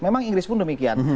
memang inggris pun demikian